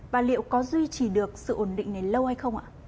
và liệu có duy trì được sự ổn định này lâu hay không ạ